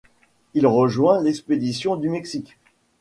Il rejoint l’expédition du Mexique.